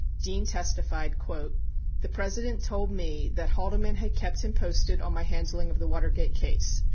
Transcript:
34 Dean testified : The President told me that ... Haldeman ... had kept him posted on my handling of the Watergate case.